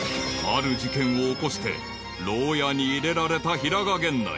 ［ある事件を起こして牢屋に入れられた平賀源内］